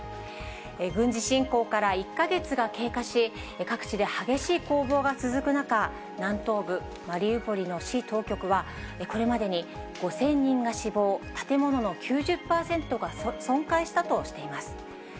軍事侵攻から１か月が経過し、各地で激しい攻防が続く中、南東部マリウポリの市当局は、これまでに５０００人が死亡、建物の９０％が損壊したとしています。